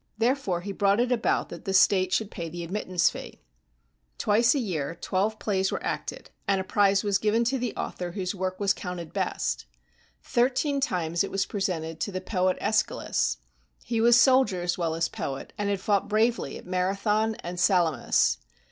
Therefore he brought it about that the state should pay the admittance fee. Twice a year twelve plays were acted, and a prize was given to the author 125 GREECE whose work was counted best. Thirteen times it was presented to the poet ^schylus. He was soldier as well as poet, and had fought bravely at Marathon and Sala mis.